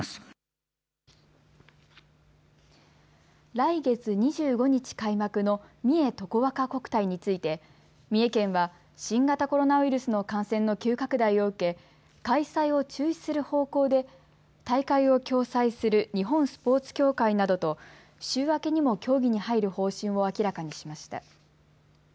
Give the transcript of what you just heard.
来月２５日開幕の三重とこわか国体について三重県は新型コロナウイルスの感染の急拡大を受け開催を中止する方向で大会を共催する日本スポーツ協会などと週明けにも協議に入る方針を明らかにしました。